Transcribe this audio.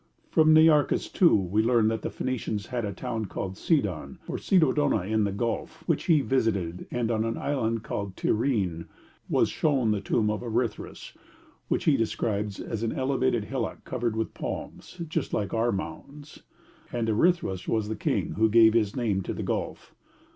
From Nearchus, too, we learn that the Phoenicians had a town called Sidon or Sidodona in the Gulf, which he visited, and on an island called Tyrine was shown the tomb of Erythras, which he describes as 'an elevated hillock covered with palms,' just like our mounds, and Erythras was the king who gave his name to the Gulf.